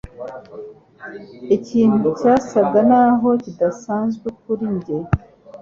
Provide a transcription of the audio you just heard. Ikintu cyasaga naho kidasanzwe kuri njye.